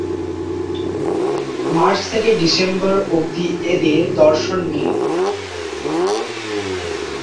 March থেকে December অবধি এদের দর্শন মেলে।